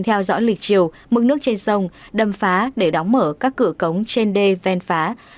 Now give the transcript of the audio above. theo dõi lịch chiều mức nước trên sông đầm phá để đóng mở các cửa cống trên đê ven phá